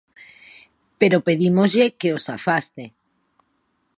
Pero pedímoslle que os afaste.